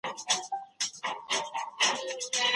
نړیوال تعامل د هیوادونو ترمنځ د نوو فرصتونو لامل کیږي.